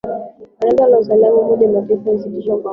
baraza la usalama la umoja wa mataifa lilisitishwa kwa muda